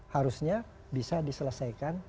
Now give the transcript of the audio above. harusnya bisa diselesaikan